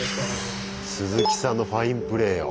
すずきさんのファインプレーよ。